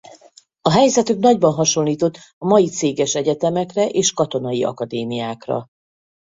A helyzetük nagyban hasonlított a mai céges egyetemekre és katonai akadémiákra.